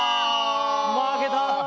負けた。